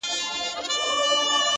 • له ظالمه که مظلوم په راحت نه وي ,